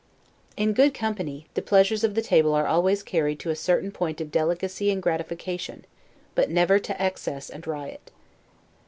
In good company, the pleasures of the table are always carried to a certain point of delicacy and gratification, but never to excess and riot.